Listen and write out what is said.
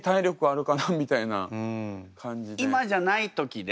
今じゃない時で。